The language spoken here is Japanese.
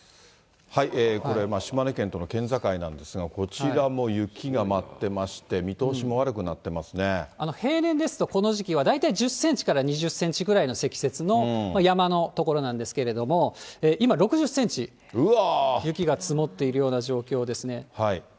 これ、島根県との県境なんですが、こちらも雪が舞ってまして、見通しも悪平年ですと、この時期は大体１０センチから２０センチぐらいの積雪の山の所なんですけれども、今、６０センチ雪が積もっているような状況ですね。